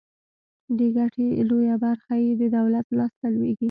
د ګټې لویه برخه یې د دولت لاس ته لویږي.